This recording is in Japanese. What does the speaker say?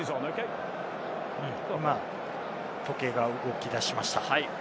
今、時計が動き出しました。